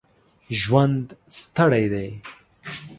ژوند ستړی دی.